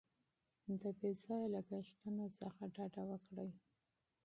د بې ځایه لګښتونو څخه ډډه وکړئ.